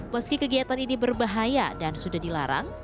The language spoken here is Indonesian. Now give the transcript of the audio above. meski kegiatan ini berbahaya dan sudah dilarang